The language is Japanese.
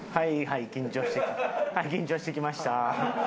はい緊張してきました。